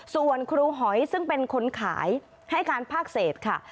ส่วนครูหอยซึ่งเป็นคนขายให้การภาคเศษค่ะ